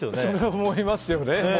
そりゃ思いますよね。